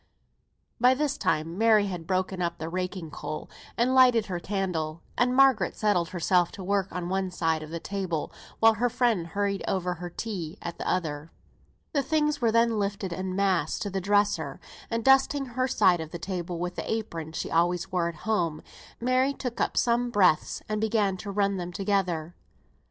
By this time Mary had broken up the raking coal, and lighted her candle; and Margaret settled herself to her work on one side of the table, while her friend hurried over her tea at the other. The things were then lifted en masse to the dresser; and dusting her side of the table with the apron she always wore at home, Mary took up some breadths and began to run them together.